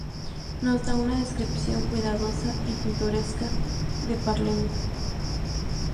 Nos da una descripción cuidadosa y pintoresca de Palermo.